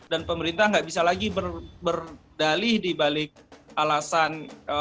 dan pemerintah nggak bisa lagi berdalih dibalik alasan